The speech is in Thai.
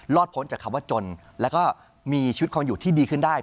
พ้นจากคำว่าจนแล้วก็มีชีวิตความอยู่ที่ดีขึ้นได้